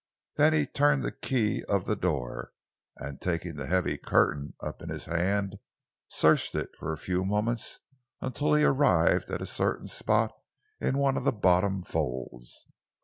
Then he turned the key of the door, and, taking the heavy curtain up in his hand, searched it for a few moments until he arrived at a certain spot in one of the bottom folds.